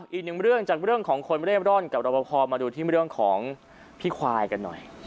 อีกหนึ่งเรื่องจากเรื่องของคนเร่บร่อนกับรอบพอมาดูที่เรื่องของพี่ควายกันหน่อย